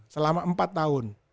selama empat tahun